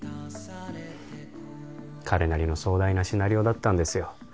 彼なりの壮大なシナリオだったんですよ